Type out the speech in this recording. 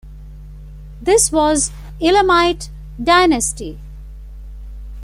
This was an Elamite Dynasty.